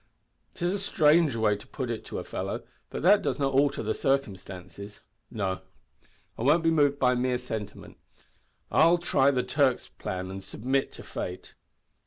"'Tis a strange way to put it to a fellow, but that does not alter the circumstances. No, I won't be moved by mere sentiment. I'll try the Turk's plan, and submit to fate.